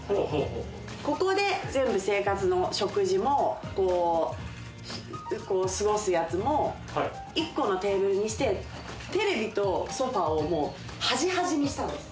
ここで全部生活の食事も過ごすやつも、１個のテーブルにしてテレビとソファを端、端にしたんですよ。